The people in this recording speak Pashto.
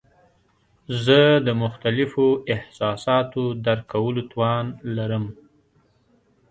زه د مختلفو احساساتو درک کولو توان لرم.